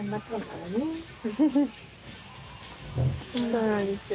そうなんですよ。